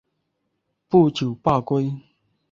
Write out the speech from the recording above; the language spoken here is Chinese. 不久罢归。